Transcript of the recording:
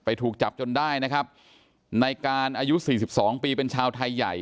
ไปถูกจับจนได้นะครับในการอายุ๔๒ปีเป็นชาวไทยใหญ่